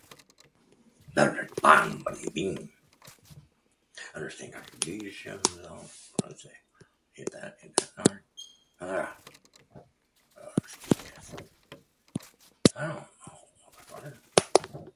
The relationship between its use and death are unknown.